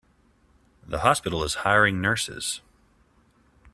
The hospital is hiring nurses.